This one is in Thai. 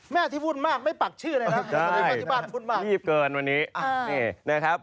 แม่ที่พูดมากไม่ปักชื่ออะไรเง็บมาก